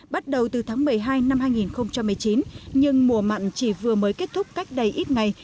bắt đầu từ tháng một mươi hai năm hai nghìn một mươi chín nhưng mùa mặn chỉ vừa mới kết thúc cách đây ít ngày